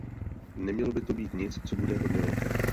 Nemělo by to být nic, co bude hodně velké.